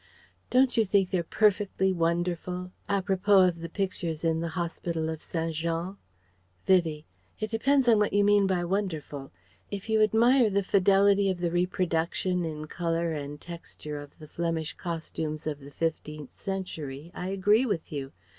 "Don't you think they're perfectly wonderful?" àpropos of the pictures in the Hospital of St. Jean. Vivie: "It depends on what you mean by 'wonderful.' If you admire the fidelity of the reproduction in colour and texture of the Flemish costumes of the fifteenth century, I agree with you.